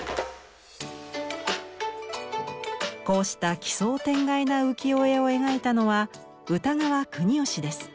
こうした奇想天外な浮世絵を描いたのは歌川国芳です。